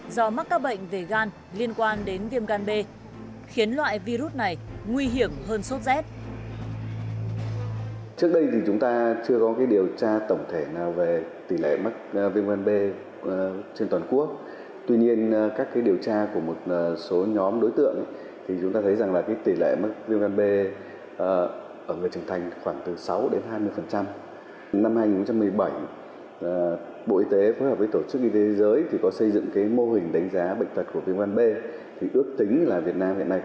do mắc các bệnh về gan liên quan đến viêm gan b khiến loại virus này nguy hiểm hơn sốt rét